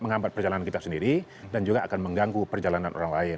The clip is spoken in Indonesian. menghambat perjalanan kita sendiri dan juga akan mengganggu perjalanan orang lain